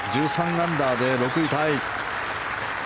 １３アンダーで６位タイ。